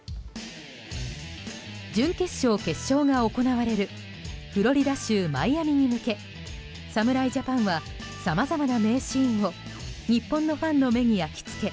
準決勝、決勝が行われるフロリダ州マイアミに向け侍ジャパンはさまざまな名シーンを日本のファンの目に焼き付け